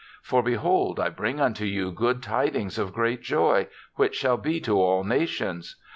For, be hold I bring unto you good tidings of great joy, which shall be to all nations.